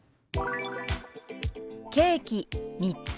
「ケーキ３つ」。